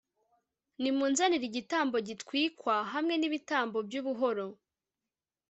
nimunzanire igitambo gitwikwa, hamwe n'ibitambo by'ubuhoro